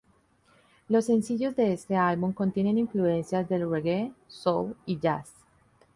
Los sencillos de este álbum contienen influencias del reggae, soul y jazz.